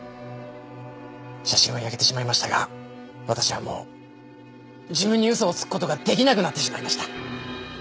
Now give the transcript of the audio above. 写真は焼けてしまいましたが私はもう自分に嘘をつく事ができなくなってしまいました。